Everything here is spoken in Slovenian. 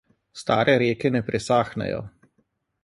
Stare reke ne presahnejo.